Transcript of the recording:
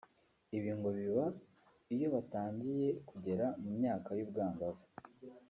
Ibi ngo biba iyo batangiye kugera mu myaka y’ubwangavu